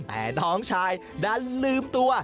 แต่น้องชายดันลืมตัว